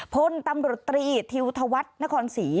พลตำรวจตรีทิวธวัฒนครศรี